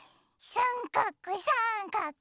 さんかくさんかく。